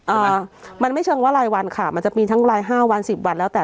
อ่ามันไม่เชิงว่ารายวันค่ะมันจะมีทั้งรายห้าวันสิบวันแล้วแต่